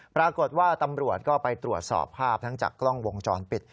ปรากฏว่าตำรวจก็ไปตรวจสอบภาพทั้งจากกล้องวงจรปิด